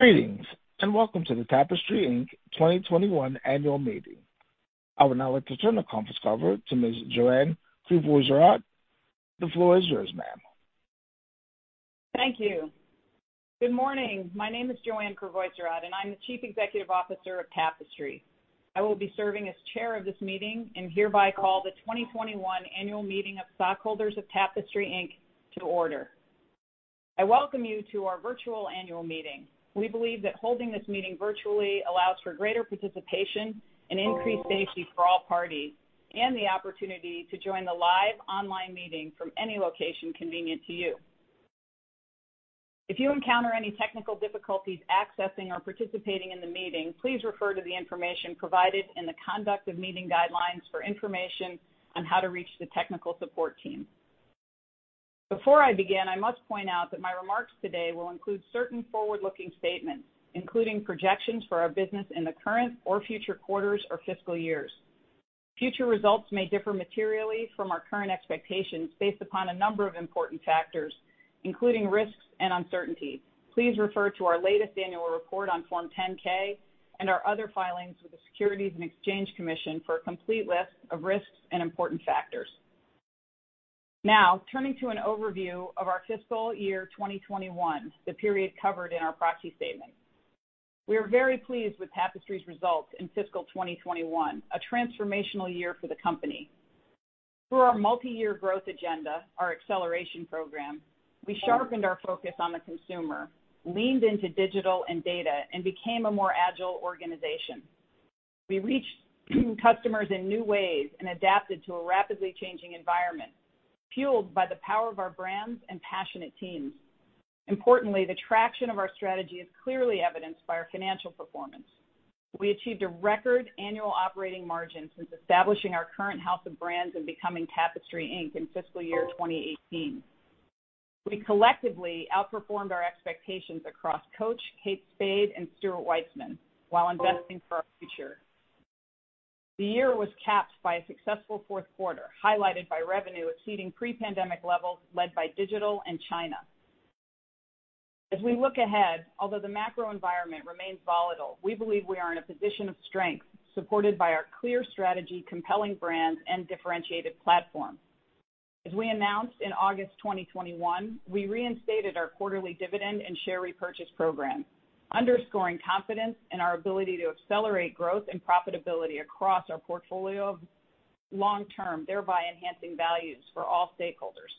Greetings, and welcome to the Tapestry, Inc. 2021 annual meeting. I would now like to turn the conference call over to Ms. Joanne Crevoiserat. The floor is yours, ma'am. Thank you. Good morning. My name is Joanne Crevoiserat, and I'm the Chief Executive Officer of Tapestry, Inc. I will be serving as chair of this meeting and hereby call the 2021 annual meeting of stockholders of Tapestry, Inc. to order. I welcome you to our virtual annual meeting. We believe that holding this meeting virtually allows for greater participation and increased safety for all parties and the opportunity to join the live online meeting from any location convenient to you. If you encounter any technical difficulties accessing or participating in the meeting, please refer to the information provided in the conduct of meeting guidelines for information on how to reach the technical support team. Before I begin, I must point out that my remarks today will include certain forward-looking statements, including projections for our business in the current or future quarters or fiscal years. Future results may differ materially from our current expectations based upon a number of important factors, including risks and uncertainties. Please refer to our latest annual report on Form 10-K and our other filings with the Securities and Exchange Commission for a complete list of risks and important factors. Now turning to an overview of our fiscal year 2021, the period covered in our proxy statement. We are very pleased with Tapestry's results in fiscal 2021, a transformational year for the company. Through our multi-year growth agenda, our Acceleration Program, we sharpened our focus on the consumer, leaned into digital and data, and became a more agile organization. We reached customers in new ways and adapted to a rapidly changing environment, fueled by the power of our brands and passionate teams. Importantly, the traction of our strategy is clearly evidenced by our financial performance. We achieved a record annual operating margin since establishing our current house of brands and becoming Tapestry, Inc. in fiscal year 2018. We collectively outperformed our expectations across Coach, Kate Spade, and Stuart Weitzman while investing for our future. The year was capped by a successful fourth quarter, highlighted by revenue exceeding pre-pandemic levels led by digital and China. As we look ahead, although the macro environment remains volatile, we believe we are in a position of strength, supported by our clear strategy, compelling brands, and differentiated platform. As we announced in August 2021, we reinstated our quarterly dividend and share repurchase program, underscoring confidence in our ability to accelerate growth and profitability across our portfolio long term, thereby enhancing values for all stakeholders.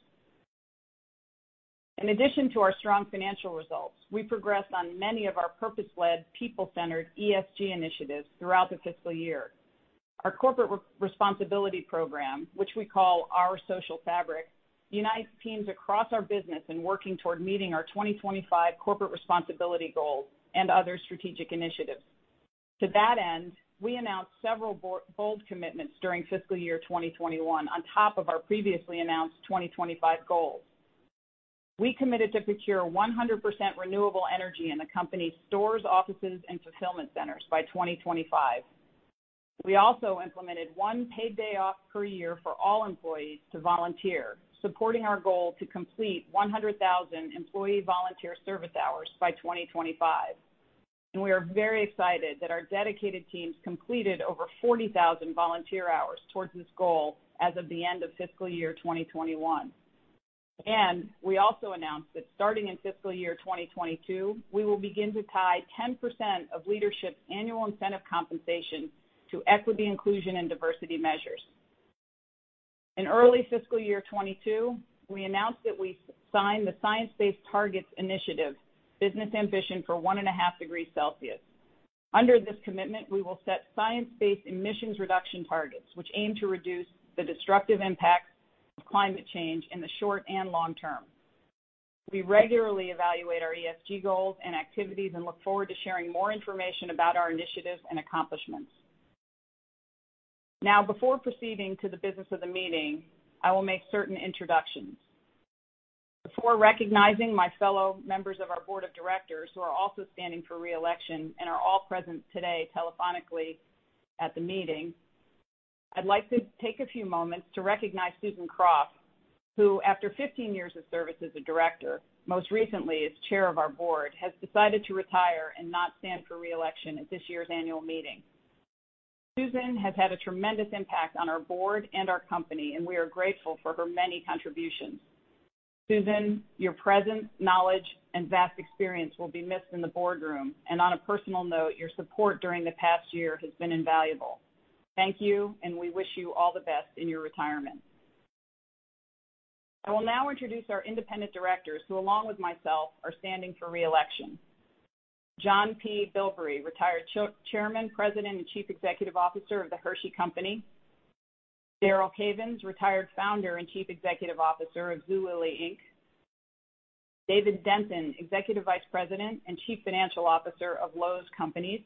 In addition to our strong financial results, we progressed on many of our purpose-led, people-centered ESG initiatives throughout the fiscal year. Our corporate responsibility program, which we call Our Social Fabric, unites teams across our business in working toward meeting our 2025 corporate responsibility goals and other strategic initiatives. To that end, we announced several bold commitments during fiscal year 2021 on top of our previously announced 2025 goals. We committed to procure 100% renewable energy in the company's stores, offices, and fulfillment centers by 2025. We also implemented one paid day off per year for all employees to volunteer, supporting our goal to complete 100,000 employee volunteer service hours by 2025. We are very excited that our dedicated teams completed over 40,000 volunteer hours towards this goal as of the end of fiscal year 2021. We also announced that starting in fiscal year 2022, we will begin to tie 10% of leadership's annual incentive compensation to equity, inclusion, and diversity measures. In early fiscal year 2022, we announced that we signed the Science Based Targets initiative business ambition for 1.5 degrees Celsius. Under this commitment, we will set science-based emissions reduction targets, which aim to reduce the destructive impact of climate change in the short and long term. We regularly evaluate our ESG goals and activities and look forward to sharing more information about our initiatives and accomplishments. Now, before proceeding to the business of the meeting, I will make certain introductions. Before recognizing my fellow members of our Board of Directors, who are also standing for re-election and are all present today telephonically at the meeting, I'd like to take a few moments to recognize Susan Kropf, who after 15 years of service as a director, most recently as Chair of our Board, has decided to retire and not stand for re-election at this year's annual meeting. Susan has had a tremendous impact on our Board and our company, and we are grateful for her many contributions. Susan, your presence, knowledge, and vast experience will be missed in the boardroom. On a personal note, your support during the past year has been invaluable. Thank you, and we wish you all the best in your retirement. I will now introduce our independent directors who, along with myself, are standing for re-election. John P. Bilbrey, retired Chairman, President, and Chief Executive Officer of The Hershey Company. Darrell Cavens, retired founder and Chief Executive Officer of Zulily, Inc. David Denton, Executive Vice President and Chief Financial Officer of Lowe's Companies,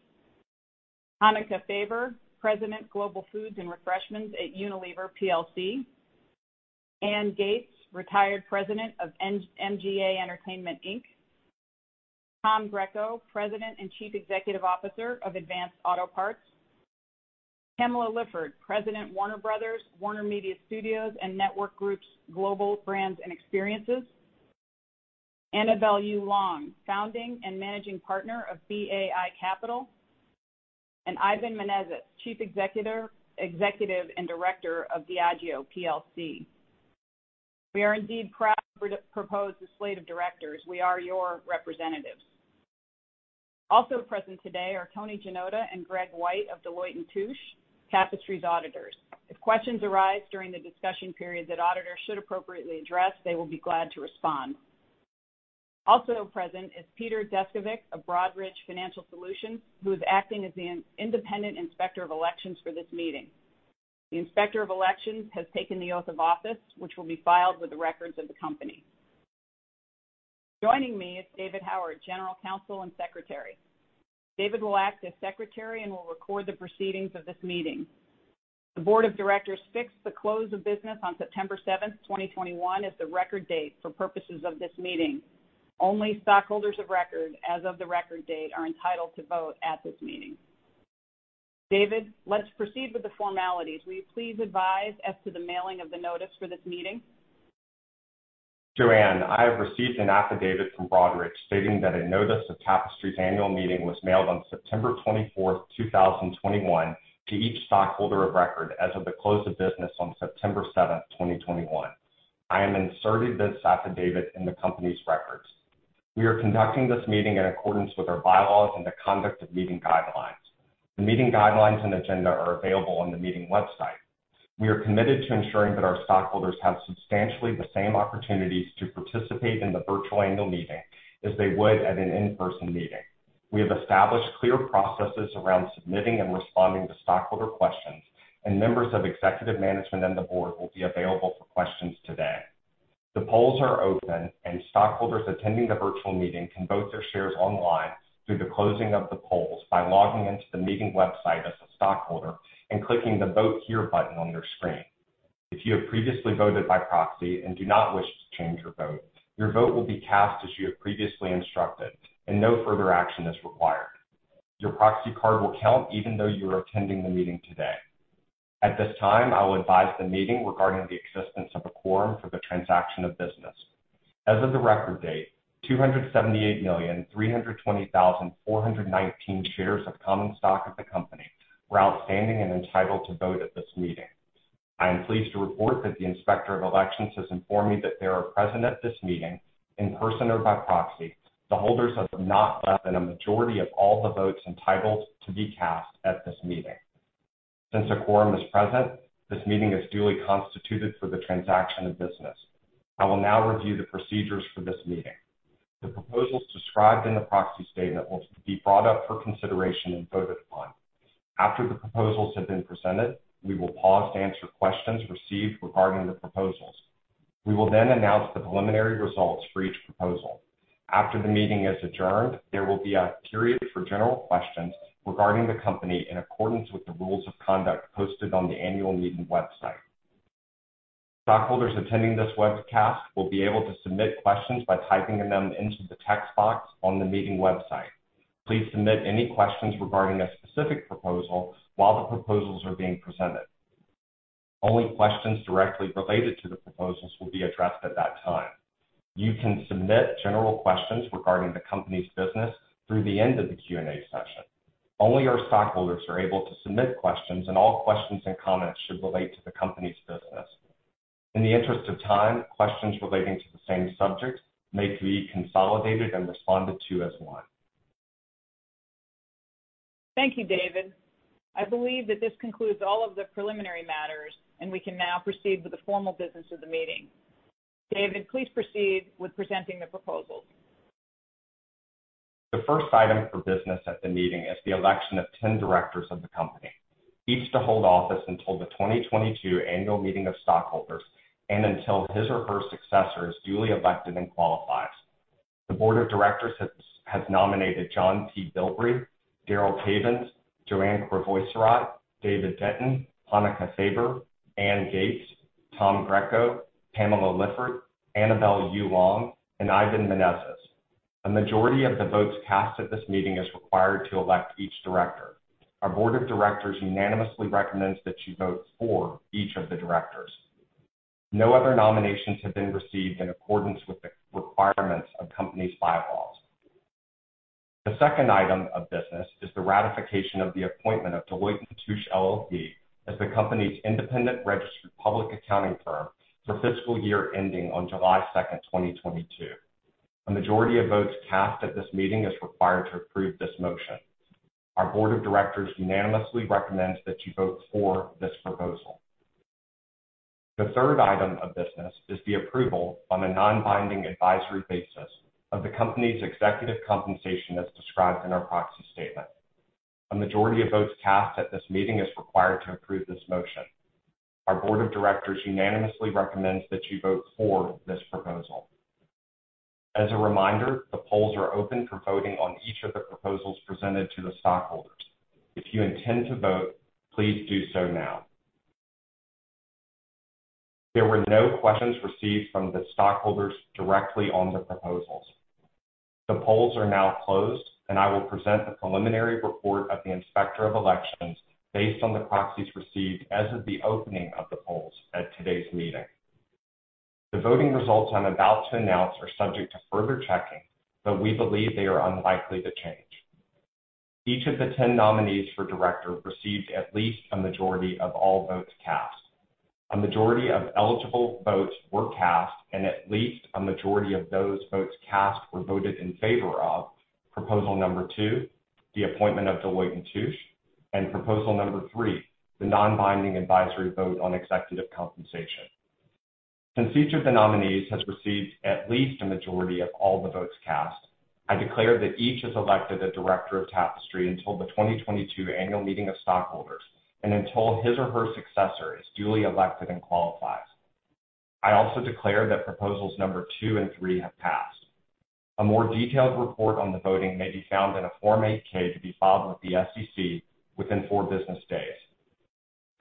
Inc. Hanneke Faber, President, Foods & Refreshment, Unilever PLC. Anne Gates, retired President of MGA Entertainment, Inc. Tom Greco, President and Chief Executive Officer of Advance Auto Parts. Pam Lifford, President, Warner Bros. Global Brands and Experiences. Annabelle Yu Long, Founding and Managing Partner of BAI Capital. Ivan Menezes, Chief Executive and Director of Diageo plc. We are indeed proud to propose this slate of directors. We are your representatives. Also present today are Tony Goncalves and Greg White of Deloitte & Touche, Tapestry's auditors. If questions arise during the discussion period that auditors should appropriately address, they will be glad to respond. Peter Descovich of Broadridge Financial Solutions is present, acting as the independent inspector of elections for this meeting. The Inspector of Elections has taken the oath of office, which will be filed with the records of the company. David Howard, General Counsel and Secretary, is joining me. David will act as secretary and will record the proceedings of this meeting. The board of directors fixed the close of business on September seventh, 2021 as the record date for purposes of this meeting. Only stockholders of record as of the record date are entitled to vote at this meeting. David, let's proceed with the formalities. Will you please advise as to the mailing of the notice for this meeting? Joanne, I have received an affidavit from Broadridge stating that a notice of Tapestry's annual meeting was mailed on September twenty-fourth, two thousand twenty-one to each stockholder of record as of the close of business on September seventh, two thousand twenty-one. I am inserting this affidavit in the company's records. We are conducting this meeting in accordance with our bylaws and the conduct of meeting guidelines. The meeting guidelines and agenda are available on the meeting website. We are committed to ensuring that our stockholders have substantially the same opportunities to participate in the virtual annual meeting as they would at an in-person meeting. We have established clear processes around submitting and responding to stockholder questions, and members of executive management and the board will be available for questions today. The polls are open, and stockholders attending the virtual meeting can vote their shares online through the closing of the polls by logging into the meeting website as a stockholder and clicking the Vote Here button on your screen. If you have previously voted by proxy and do not wish to change your vote, your vote will be cast as you have previously instructed and no further action is required. Your proxy card will count even though you are attending the meeting today. At this time, I will advise the meeting regarding the existence of a quorum for the transaction of business. As of the record date, 278,320,419 shares of common stock of the company were outstanding and entitled to vote at this meeting. I am pleased to report that the Inspector of Elections has informed me that there are present at this meeting, in person or by proxy, the holders of not less than a majority of all the votes entitled to be cast at this meeting. Since a quorum is present, this meeting is duly constituted for the transaction of business. I will now review the procedures for this meeting. The proposals described in the proxy statement will be brought up for consideration and voted upon. After the proposals have been presented, we will pause to answer questions received regarding the proposals. We will then announce the preliminary results for each proposal. After the meeting is adjourned, there will be a period for general questions regarding the company in accordance with the rules of conduct posted on the annual meeting website. Stockholders attending this webcast will be able to submit questions by typing them into the text box on the meeting website. Please submit any questions regarding a specific proposal while the proposals are being presented. Only questions directly related to the proposals will be addressed at that time. You can submit general questions regarding the company's business through the end of the Q&A session. Only our stockholders are able to submit questions, and all questions and comments should relate to the company's business. In the interest of time, questions relating to the same subject may be consolidated and responded to as one. Thank you, David. I believe that this concludes all of the preliminary matters, and we can now proceed with the formal business of the meeting. David, please proceed with presenting the proposals. The first item of business at the meeting is the election of 10 directors of the company, each to hold office until the 2022 annual meeting of stockholders and until his or her successor is duly elected and qualifies. The board of directors has nominated John P. Bilbrey, Darrell Cavens, Joanne Crevoiserat, David Denton, Hanneke Faber, Anne Gates, Tom Greco, Pam Lifford, Annabelle Yu Long, and Ivan Menezes. A majority of the votes cast at this meeting is required to elect each director. Our board of directors unanimously recommends that you vote for each of the directors. No other nominations have been received in accordance with the requirements of company's bylaws. The second item of business is the ratification of the appointment of Deloitte & Touche LLP as the company's independent registered public accounting firm for fiscal year ending on July 2, 2022. A majority of votes cast at this meeting is required to approve this motion. Our board of directors unanimously recommends that you vote for this proposal. The third item of business is the approval on a non-binding advisory basis of the company's executive compensation as described in our proxy statement. A majority of votes cast at this meeting is required to approve this motion. Our board of directors unanimously recommends that you vote for this proposal. As a reminder, the polls are open for voting on each of the proposals presented to the stockholders. If you intend to vote, please do so now. There were no questions received from the stockholders directly on the proposals. The polls are now closed, and I will present the preliminary report of the Inspector of Elections based on the proxies received as of the opening of the polls at today's meeting. The voting results I'm about to announce are subject to further checking, but we believe they are unlikely to change. Each of the 10 nominees for director received at least a majority of all votes cast. A majority of eligible votes were cast, and at least a majority of those votes cast were voted in favor of proposal number 2, the appointment of Deloitte & Touche, and proposal number 3, the non-binding advisory vote on executive compensation. Since each of the nominees has received at least a majority of all the votes cast, I declare that each is elected a director of Tapestry until the 2022 annual meeting of stockholders and until his or her successor is duly elected and qualifies. I also declare that proposals number 2 and 3 have passed. A more detailed report on the voting may be found in a Form 8-K to be filed with the SEC within four business days.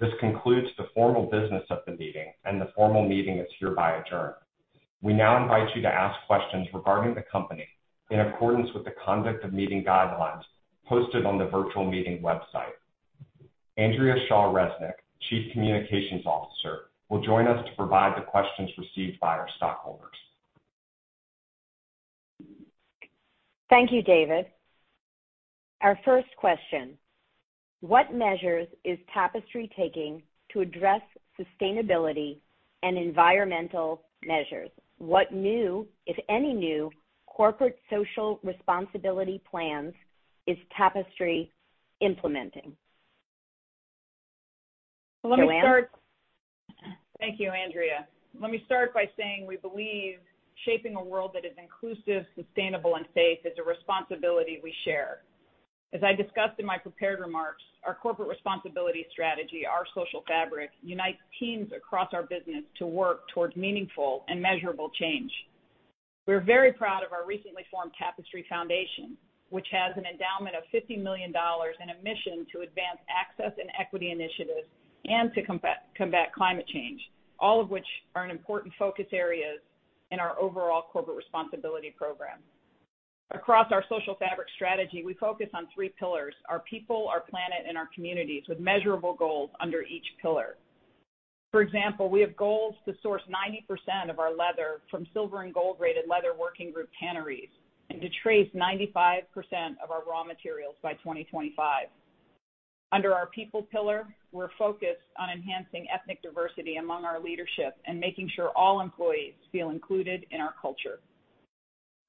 This concludes the formal business of the meeting, and the formal meeting is hereby adjourned. We now invite you to ask questions regarding the company in accordance with the conduct of meeting guidelines posted on the virtual meeting website. Andrea Shaw Resnick, Chief Communications Officer, will join us to provide the questions received by our stockholders. Thank you, David. Our first question: What measures is Tapestry taking to address sustainability and environmental measures? What new, if any, corporate social responsibility plans is Tapestry implementing? Joanne. Thank you, Andrea. Let me start by saying we believe shaping a world that is inclusive, sustainable, and safe is a responsibility we share. As I discussed in my prepared remarks, our corporate responsibility strategy, Our Social Fabric, unites teams across our business to work towards meaningful and measurable change. We're very proud of our recently formed Tapestry Foundation, which has an endowment of $50 million and a mission to advance access and equity initiatives and to combat climate change, all of which are an important focus areas in our overall corporate responsibility program. Across Our Social Fabric strategy, we focus on three pillars, our people, our planet, and our communities, with measurable goals under each pillar. For example, we have goals to source 90% of our leather from silver and gold-rated Leather Working Group tanneries and to trace 95% of our raw materials by 2025. Under our people pillar, we're focused on enhancing ethnic diversity among our leadership and making sure all employees feel included in our culture.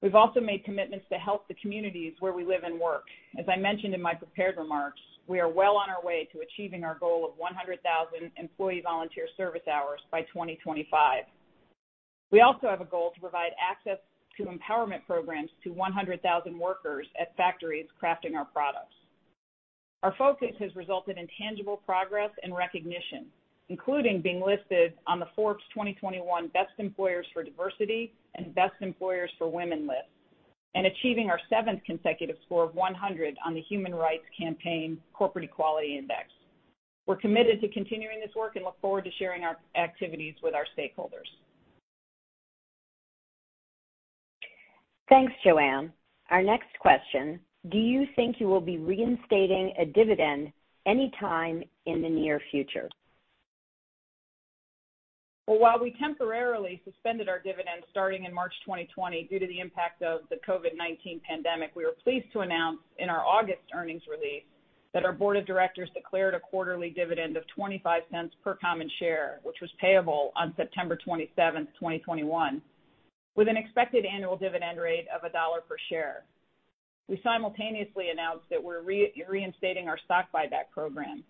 We've also made commitments to help the communities where we live and work. As I mentioned in my prepared remarks, we are well on our way to achieving our goal of 100,000 employee volunteer service hours by 2025. We also have a goal to provide access to empowerment programs to 100,000 workers at factories crafting our products. Our focus has resulted in tangible progress and recognition, including being listed on the Forbes 2021 Best Employers for Diversity and Best Employers for Women list and achieving our seventh consecutive score of 100 on the Human Rights Campaign Corporate Equality Index. We're committed to continuing this work and look forward to sharing our activities with our stakeholders. Thanks, Joanne. Our next question: Do you think you will be reinstating a dividend anytime in the near future? Well, while we temporarily suspended our dividends starting in March 2020 due to the impact of the COVID-19 pandemic, we were pleased to announce in our August earnings release that our Board of Directors declared a quarterly dividend of $0.25 per common share, which was payable on September 27, 2021, with an expected annual dividend rate of $1 per share. We simultaneously announced that we're reinstating our stock buyback program.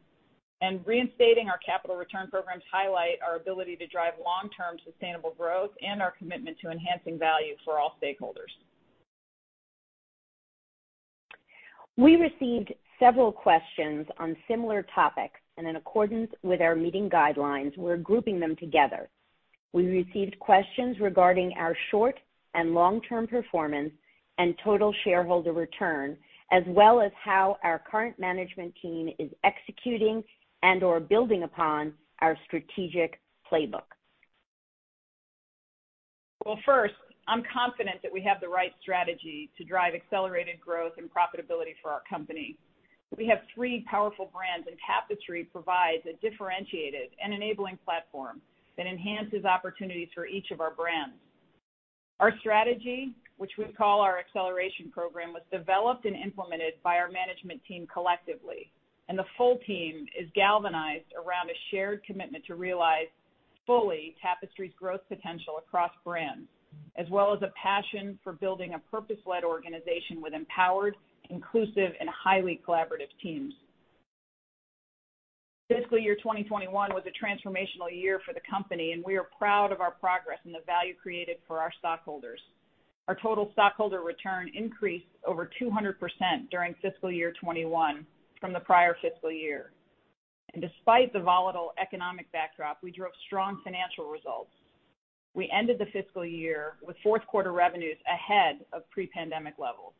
Reinstating our capital return programs highlight our ability to drive long-term sustainable growth and our commitment to enhancing value for all stakeholders. We received several questions on similar topics, and in accordance with our meeting guidelines, we're grouping them together. We received questions regarding our short- and long-term performance and total shareholder return, as well as how our current management team is executing and/or building upon our strategic playbook. Well, first, I'm confident that we have the right strategy to drive accelerated growth and profitability for our company. We have three powerful brands, and Tapestry provides a differentiated and enabling platform that enhances opportunities for each of our brands. Our strategy, which we call our Acceleration Program, was developed and implemented by our management team collectively, and the full team is galvanized around a shared commitment to realize fully Tapestry's growth potential across brands, as well as a passion for building a purpose-led organization with empowered, inclusive, and highly collaborative teams. Fiscal year 2021 was a transformational year for the company, and we are proud of our progress and the value created for our stockholders. Our total stockholder return increased over 200% during fiscal year 2021 from the prior fiscal year. Despite the volatile economic backdrop, we drove strong financial results. We ended the fiscal year with fourth quarter revenues ahead of pre-pandemic levels.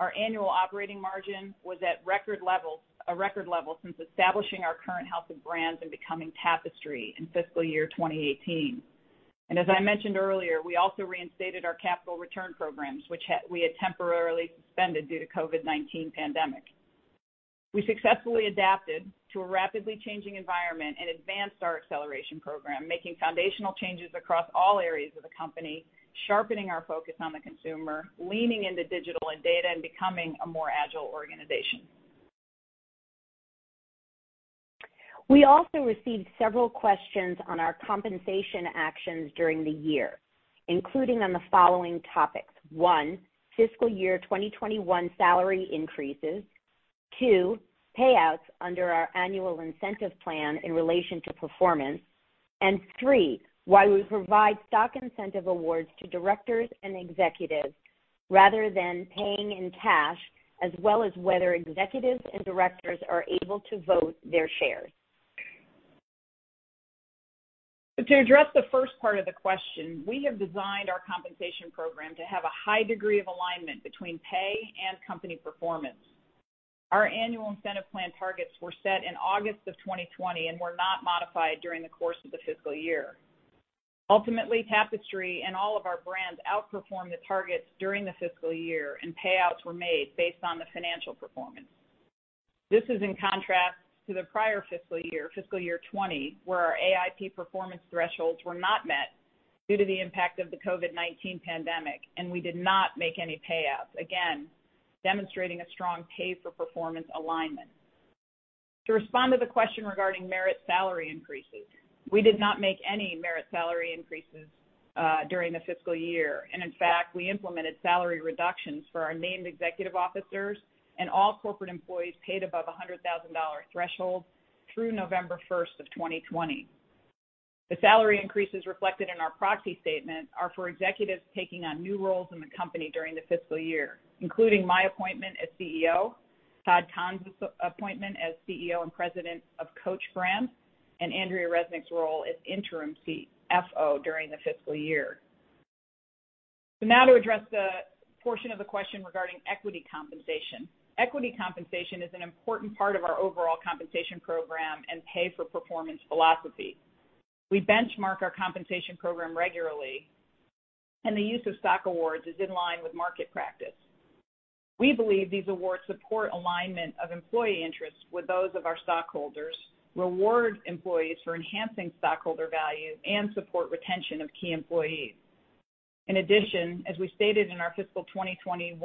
Our annual operating margin was at record levels, a record level since establishing our current house of brands and becoming Tapestry in fiscal year 2018. As I mentioned earlier, we also reinstated our capital return programs, which we had temporarily suspended due to COVID-19 pandemic. We successfully adapted to a rapidly changing environment and advanced our Acceleration Program, making foundational changes across all areas of the company, sharpening our focus on the consumer, leaning into digital and data, and becoming a more agile organization. We also received several questions on our compensation actions during the year, including on the following topics. One, fiscal year 2021 salary increases. two, payouts under our annual incentive plan in relation to performance. Three, why we provide stock incentive awards to directors and executives rather than paying in cash, as well as whether executives and directors are able to vote their shares. To address the first part of the question, we have designed our compensation program to have a high degree of alignment between pay and company performance. Our annual incentive plan targets were set in August of 2020 and were not modified during the course of the fiscal year. Ultimately, Tapestry and all of our brands outperformed the targets during the fiscal year and payouts were made based on the financial performance. This is in contrast to the prior fiscal year, fiscal year 2020, where our AIP performance thresholds were not met due to the impact of the COVID-19 pandemic, and we did not make any payouts, again, demonstrating a strong pay for performance alignment. To respond to the question regarding merit salary increases, we did not make any merit salary increases during the fiscal year, and in fact, we implemented salary reductions for our named executive officers and all corporate employees paid above a $100,000 threshold through November 1, 2020. The salary increases reflected in our proxy statement are for executives taking on new roles in the company during the fiscal year, including my appointment as CEO, Todd Kahn's appointment as CEO and Brand President of Coach, and Andrea Shaw Resnick's role as interim CFO during the fiscal year. To address the portion of the question regarding equity compensation. Equity compensation is an important part of our overall compensation program and pay for performance philosophy. We benchmark our compensation program regularly, and the use of stock awards is in line with market practice. We believe these awards support alignment of employee interests with those of our stockholders, reward employees for enhancing stockholder value, and support retention of key employees. In addition, as we stated in our fiscal 2021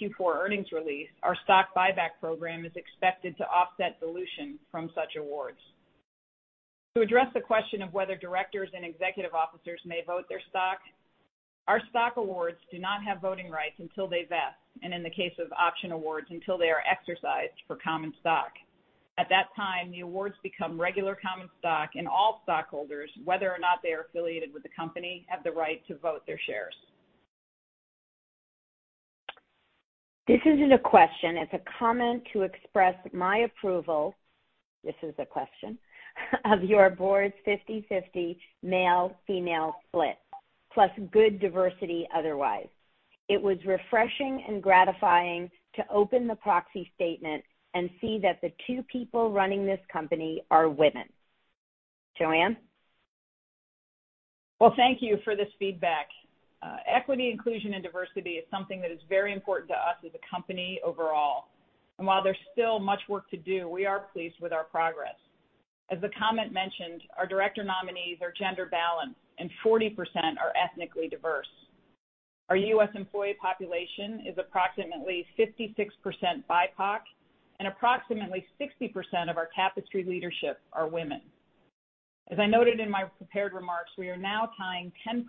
Q4 earnings release, our stock buyback program is expected to offset dilution from such awards. To address the question of whether directors and executive officers may vote their stock, our stock awards do not have voting rights until they vest, and in the case of option awards, until they are exercised for common stock. At that time, the awards become regular common stock and all stockholders, whether or not they are affiliated with the company, have the right to vote their shares. This isn't a question, it's a comment to express my approval. This is a question of your board's 50/50 male-female split, plus good diversity otherwise. It was refreshing and gratifying to open the proxy statement and see that the two people running this company are women. Joanne? Well, thank you for this feedback. Equity, inclusion, and diversity is something that is very important to us as a company overall. While there's still much work to do, we are pleased with our progress. As the comment mentioned, our director nominees are gender-balanced and 40% are ethnically diverse. Our U.S. employee population is approximately 56% BIPOC, and approximately 60% of our Tapestry leadership are women. As I noted in my prepared remarks, we are now tying 10%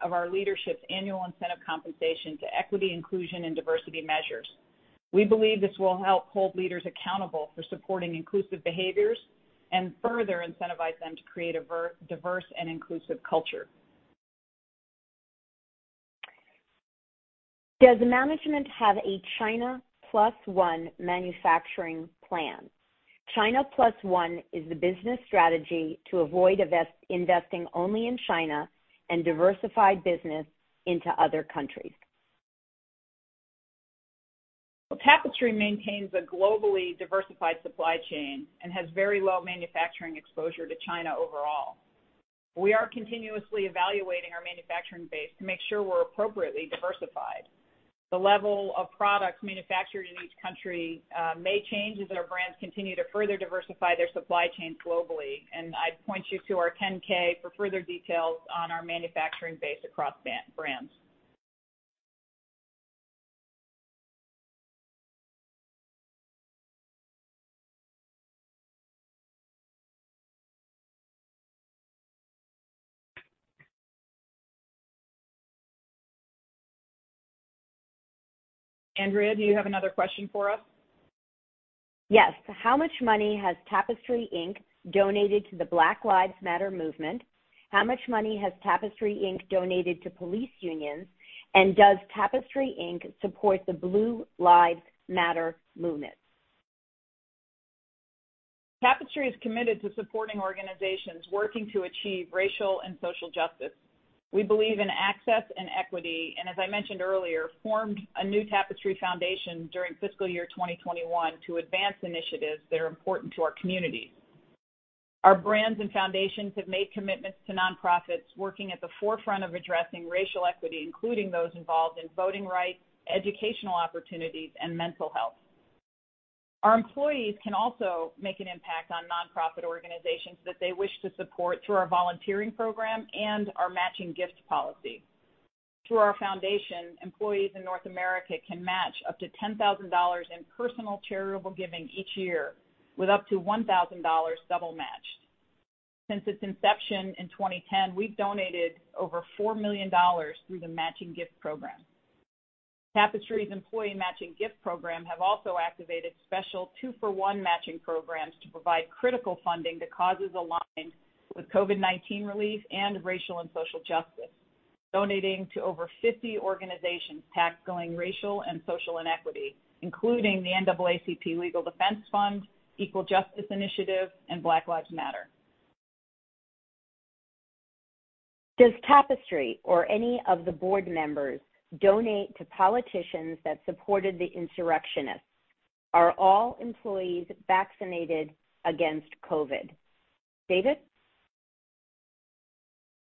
of our leadership's annual incentive compensation to equity, inclusion, and diversity measures. We believe this will help hold leaders accountable for supporting inclusive behaviors and further incentivize them to create a diverse and inclusive culture. Does management have a China Plus One manufacturing plan? China Plus One is the business strategy to avoid investing only in China and diversify business into other countries. Tapestry maintains a globally diversified supply chain and has very low manufacturing exposure to China overall. We are continuously evaluating our manufacturing base to make sure we're appropriately diversified. The level of products manufactured in each country may change as our brands continue to further diversify their supply chains globally. I'd point you to our 10-K for further details on our manufacturing base across brands. Andrea, do you have another question for us? Yes. How much money has Tapestry, Inc. donated to the Black Lives Matter movement? How much money has Tapestry, Inc. donated to police unions? Does Tapestry, Inc. support the Blue Lives Matter movement? Tapestry is committed to supporting organizations working to achieve racial and social justice. We believe in access and equity, and as I mentioned earlier, formed a new Tapestry Foundation during fiscal year 2021 to advance initiatives that are important to our community. Our brands and foundations have made commitments to nonprofits working at the forefront of addressing racial equity, including those involved in voting rights, educational opportunities, and mental health. Our employees can also make an impact on nonprofit organizations that they wish to support through our volunteering program and our matching gifts policy. Through our foundation, employees in North America can match up to $10,000 in personal charitable giving each year with up to $1,000 double matched. Since its inception in 2010, we've donated over $4 million through the matching gift program. Tapestry's employee matching gift program has also activated special two-for-one matching programs to provide critical funding to causes aligned with COVID-19 relief and racial and social justice, donating to over 50 organizations tackling racial and social inequity, including the NAACP Legal Defense Fund, Equal Justice Initiative, and Black Lives Matter. Does Tapestry or any of the board members donate to politicians that supported the insurrectionists? Are all employees vaccinated against COVID? David?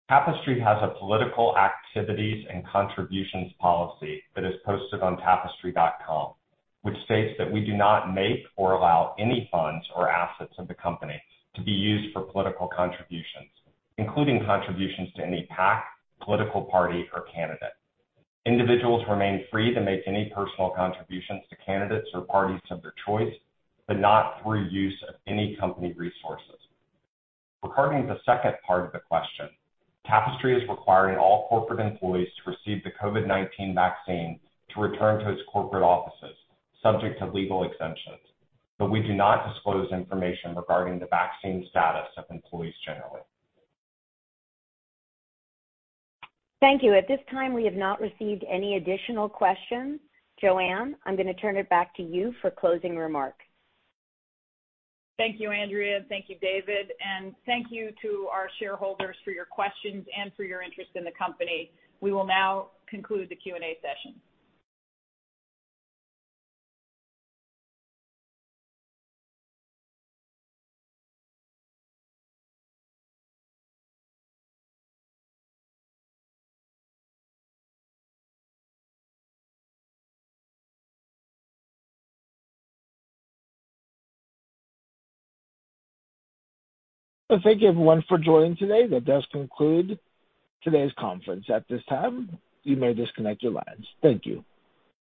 Tapestry has a political activities and contributions policy that is posted on tapestry.com, which states that we do not make or allow any funds or assets of the company to be used for political contributions, including contributions to any PAC, political party, or candidate. Individuals remain free to make any personal contributions to candidates or parties of their choice, but not through use of any company resources. Regarding the second part of the question, Tapestry is requiring all corporate employees to receive the COVID-19 vaccine to return to its corporate offices, subject to legal exemptions, but we do not disclose information regarding the vaccine status of employees generally. Thank you. At this time, we have not received any additional questions. Joanne, I'm gonna turn it back to you for closing remarks. Thank you, Andrea. Thank you, David. Thank you to our shareholders for your questions and for your interest in the company. We will now conclude the Q&A session. Thank you everyone for joining today. That does conclude today's conference. At this time, you may disconnect your lines. Thank you.